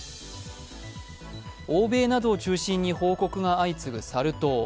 欧米などを中心に報告が相次ぐサル痘。